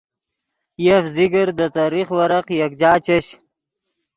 یف ذکر دے تریخ ورق یکجا چش